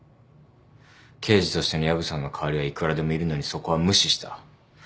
刑事としての薮さんの代わりはいくらでもいるのにそこは無視した。